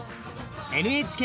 ＮＨＫ